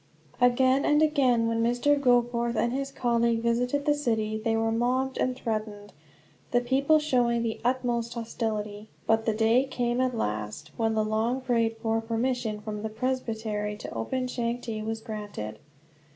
Again and again, when Mr. Goforth and his colleague visited the city, they were mobbed and threatened, the people showing the utmost hostility. But the day came, at last, when the long prayed for permission from the presbytery to open Changte was granted.